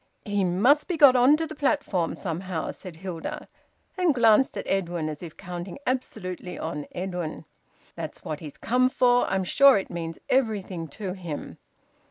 "He must be got on to the platform, somehow," said Hilda, and glanced at Edwin as if counting absolutely on Edwin. "That's what he's come for. I'm sure it means everything to him."